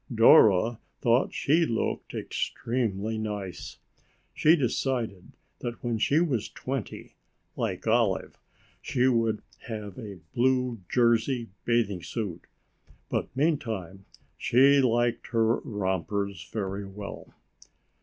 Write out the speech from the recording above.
Dora thought she looked extremely nice. She decided that when she was twenty, like Olive, she would have a blue jersey bathing suit. But meantime she liked her rompers very well.